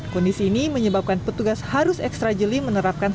kondisi ini menyebabkan petugas harus ekstra jeli menerapkan